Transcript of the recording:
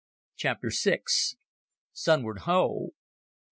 Chapter 6. _Sunward Ho!